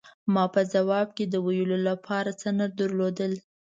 ما په ځواب کې د ویلو له پاره څه نه درلودل.